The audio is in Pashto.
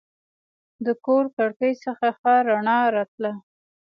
د کور کړکۍ څخه ښه رڼا راتله.